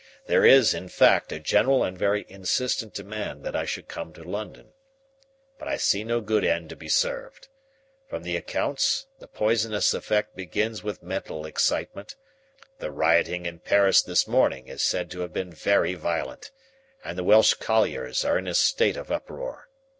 There is, in fact, a general and very insistent demand that I should come to London; but I see no good end to be served. From the accounts the poisonous effect begins with mental excitement; the rioting in Paris this morning is said to have been very violent, and the Welsh colliers are in a state of uproar.